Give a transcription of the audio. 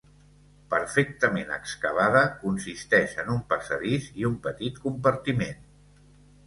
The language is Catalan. Perfectament excavada, consisteix en un passadís i un petit compartiment.